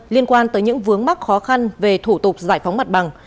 liên quan tới những vướng mắc khó khăn về thủ tục giải phóng mặt bằng